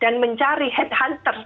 dan mencari headhunter